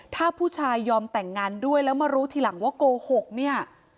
ถ้าผู้ชายยอมแต่งงานด้วยแล้วมารู้ทีหลังว่าโกหกเนี่ย